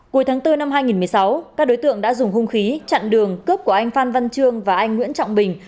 cuối tháng bốn năm hai nghìn một mươi sáu các đối tượng đã dùng hung khí chặn đường cướp của anh phan văn trương và anh nguyễn trọng bình